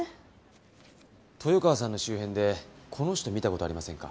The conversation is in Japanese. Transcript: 豊川さんの周辺でこの人見た事ありませんか？